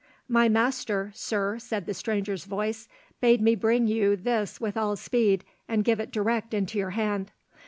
"My master, Sir," said a stranger's voice, "bade me bring you this with all speed and give it direct into your hand."